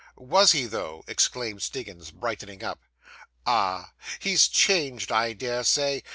'Was he, though?' exclaimed Stiggins, brightening up. 'Ah! He's changed, I dare say.